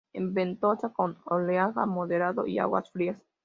Es ventosa, con oleaje moderado y aguas frías.